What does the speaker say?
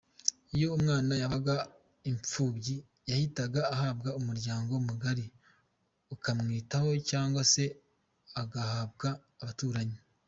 Iyo umwana yabaga impfubyi yahitaga ahabwa umuryango mugari ukamwitaho cyangwa se agahabwa abaturanyi.